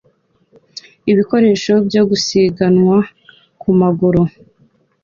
Ibikoresho byo gusiganwa ku maguru